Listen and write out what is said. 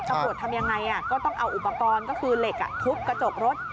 ตำรวจทำยังไงก็ต้องเอาอุปกรณ์ก็คือเหล็กทุบกระจกรถ